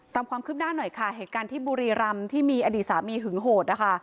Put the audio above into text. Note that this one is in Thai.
ตามความคืบหน้าหน่อยค่ะเหตุการณ์ที่บุรีรำที่มีอดีตสามีหึงโหดนะคะ